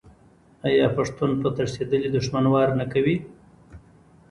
آیا پښتون په تښتیدلي دښمن وار نه کوي؟